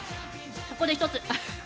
ここで１つ。